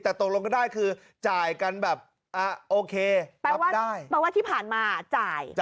แต่ตกลงกันได้คือจ่ายกันแบบโอเคแปลว่าที่ผ่านมาจ่าย